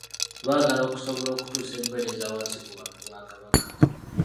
Baagala okusobola okutuusa empeereza wansi ku bantu ba Kabaka.